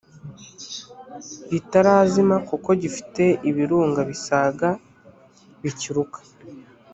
bitarazima kuko gifite ibirunga bisaga bikiruka